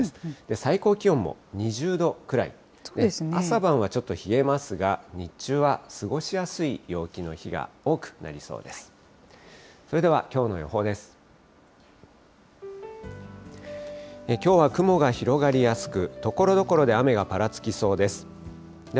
最高気温も２０度くらいで、朝晩はちょっと冷えますが、日中は過ごしやすい陽気の日が多くなりそうです。